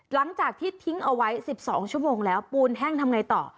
หลังจากที่ทิ้งเอาไว้๑๒ชั่วโมงแล้วปูนแห้งทำไงต่อ